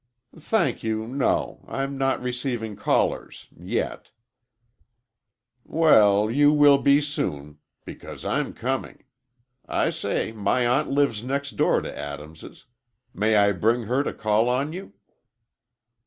"Thank you, no. I'm not receiving callers—yet." "Well, you will be soon—because I'm coming. I say my aunt lives next door to Adams'. May I bring her to call on you?"